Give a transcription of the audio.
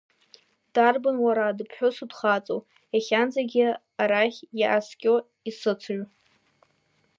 Дарбан, уара, дыԥҳәысу дхаҵоу, иахьанӡагьы арахь иааскьо исыцыҩ?